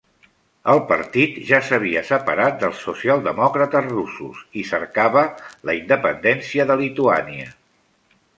El partit ja s'havia separat dels socialdemòcrates russos i cercava la independència de Lituània.